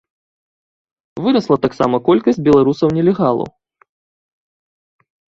Вырасла таксама колькасць беларусаў-нелегалаў.